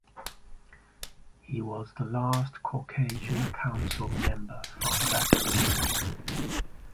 He was the last Caucasian council member from that district.